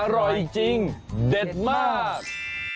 อร่อยจริงเด็ดมาก